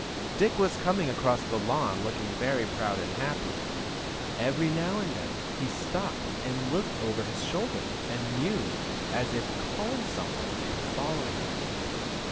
Dick was coming across the lawn looking very proud and very happy. Every now and then he stopped and looked over his shoulder and mewed as if he were calling some one to follow him.